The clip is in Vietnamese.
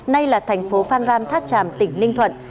nay là thành phố phan rang tháp tràm tỉnh ninh thuận